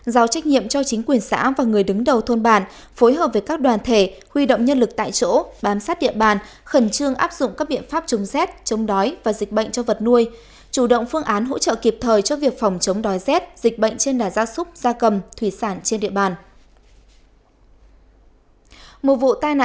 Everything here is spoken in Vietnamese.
giao trách nhiệm cho chính quyền xã và người đứng đầu thôn bản phối hợp với các đoàn thể huy động nhân lực tại chỗ bám sát địa bàn khẩn trương áp dụng các biện pháp chống rét chống đói và dịch bệnh cho vật nuôi chủ động phương án hỗ trợ kịp thời cho việc phòng chống đói rét dịch bệnh trên đàn gia súc gia cầm thủy sản trên địa bàn